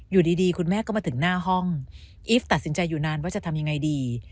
อยู่ดีคุณแม่ก็มาถึงหน้าห้องอีฟตัดสินใจอยู่นานว่าจะทำยังไงดี